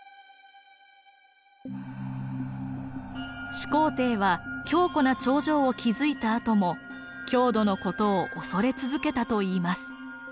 始皇帝は強固な長城を築いたあとも匈奴のことを恐れ続けたといいます。